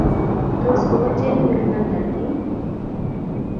Tos ko wo Chemining' London ii?